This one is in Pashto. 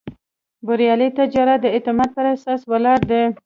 بریالی تجارت د اعتماد پر اساس ولاړ دی.